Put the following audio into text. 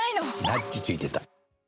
ナッチュついてた。